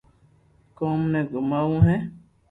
ڪوم ني گوماوو ھي